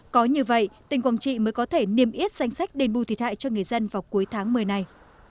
có như vậy tỉnh quảng trị mới có thể niêm yết danh sách đền bù thiệt hại cho người dân vào cuối tháng một mươi này